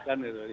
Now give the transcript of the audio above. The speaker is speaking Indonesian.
daerah kan itu